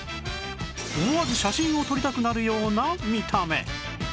思わず写真を撮りたくなるような見た目